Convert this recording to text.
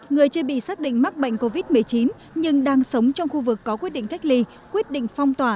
người chưa bị xác định mắc bệnh covid một mươi chín nhưng đang sống trong khu vực có quyết định cách ly quyết định phong tỏa